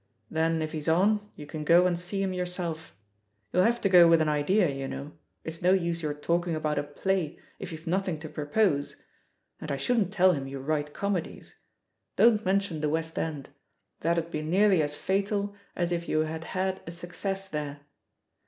Then, if he's on, you can go and see him yourself. You'll have to go with an idea, you know — ^it's no use your talking about a play if you've nothing to propose — and I shotddn't teU him you write comedies; don't mention the THE POSITION OP PEGGY HARPER HIS [West End — ^that'd be nearly as fatal as if you had had a success there.